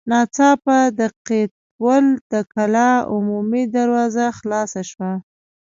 ناڅاپه د قيتول د کلا عمومي دروازه خلاصه شوه.